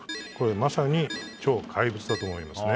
まさにこれは超怪物だと思います。